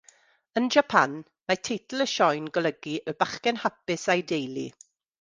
Yn Japan, mae teitl y sioe'n golygu “Y Bachgen Hapus a'i Deulu.”